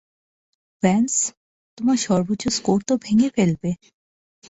Vance, তোমার সর্বোচ্চ score তো ভেঙে ফেলবে।